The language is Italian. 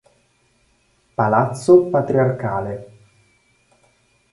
Palazzo Patriarcale